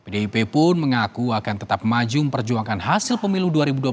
pdip pun mengaku akan tetap maju memperjuangkan hasil pemilu dua ribu dua puluh